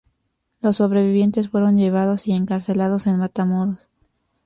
Los sobrevivientes fueron llevados y encarcelados en Matamoros.